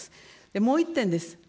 もう１点です。